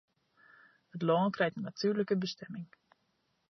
It lân krijt in natuerlike bestimming.